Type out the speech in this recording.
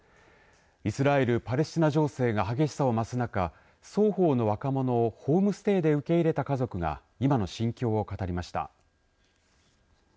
イスラエル、パレスチナ情勢が激しさを増す中双方の若者をホームステイで受け入れた家族が今の心境を語りました。